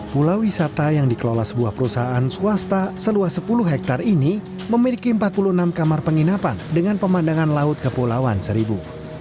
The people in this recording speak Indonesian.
pulau wisata yang dikelola sebuah perusahaan swasta seluas sepuluh hektare ini memiliki empat puluh enam kamar penginapan dengan pemandangan laut kepulauan seribu